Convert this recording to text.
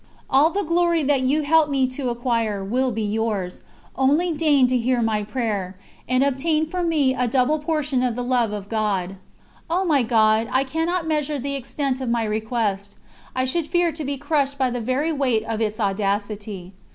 All the glory that you help me to acquire, will be yours; only deign to hear my prayer, and obtain for me a double portion of the love of God." O my God! I cannot measure the extent of my request, I should fear to be crushed by the very weight of its audacity.